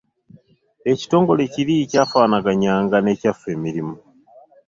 Emitongole kiri kyafaananyanga n'ekyaffe emirimu.